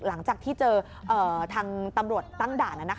หลังจากที่เจอทางตำรวจตั้งด่าน